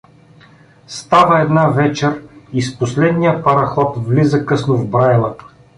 Става една вечер и с последния параход влиза късно в Браила.